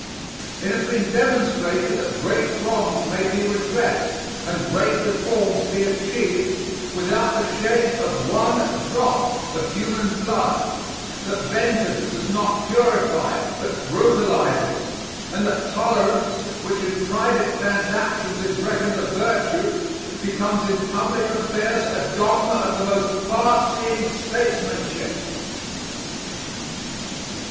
It has been demonstrated that great wrongs may be redressed and great reforms be achieved without the shedding of one drop of human blood; that vengeance does not purify, but brutalizes; and that tolerance, which in private transactions is reckoned a virtue, becomes in public affairs a dogma of the most far seeing statesmanship.